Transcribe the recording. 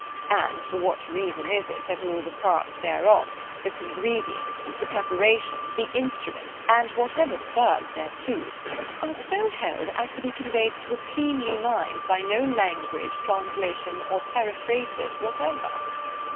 and for what reason is it, that all the parts thereof—the congredients—the preparations—the instruments, and whatever serves thereto, are so held as to be conveyed to a cleanly mind by no language, translation, or periphrasis whatever?